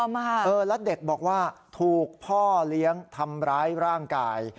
แล้วเด็กบอกว่าถูกพ่อเลี้ยงทำร้ายร่างกาย